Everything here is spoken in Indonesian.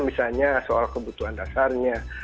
misalnya soal kebutuhan dasarnya